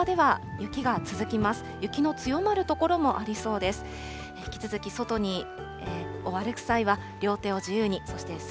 雪の強まる所もありそうです。